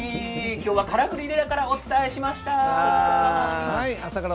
今日は、からくり寺からお伝えしました。